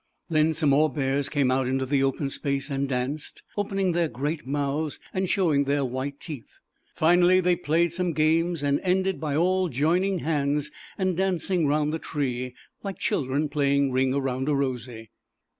Then some more bears came out into the open space and danced, opening their great mouths and showing their white teeth. Finally they played some games and ended by all joining hands and dancing around the tree, like children playing " Ring around a Rosy."